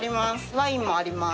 ワインもあります。